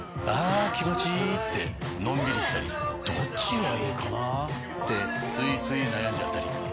あ気持ちいいってのんびりしたりどっちがいいかなってついつい悩んじゃったり。